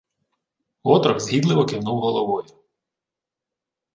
Отрок згідливо кивнув головою.